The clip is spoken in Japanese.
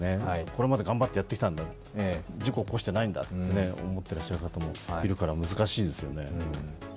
これまで頑張ってやってきたんだ、事故を起こしてないんだと思っていらっしゃる方もいるから難しいですよね。